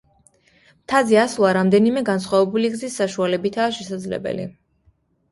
მთაზე ასვლა რამდენიმე განსხვავებული გზის საშუალებითაა შესაძლებელი.